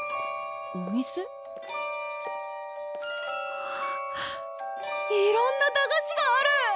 わあいろんな駄菓子がある！